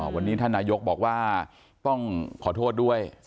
วันนี้ท่านนายกบอกว่าต้องขอโทษด้วย